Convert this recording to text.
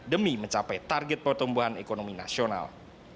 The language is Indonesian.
demi mencapai target pertumbuhan ekonomi nasional